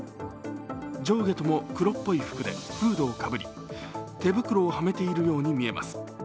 上下とも黒っぽい服でフードをかぶり手袋をはめているように見えます。